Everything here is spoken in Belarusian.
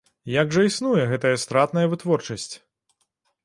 Як жа існуе гэтая стратная вытворчасць?